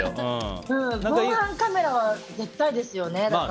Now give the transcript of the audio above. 防犯カメラは絶対ですよね。